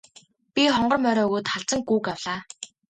Би хонгор морио өгөөд халзан гүүг авлаа.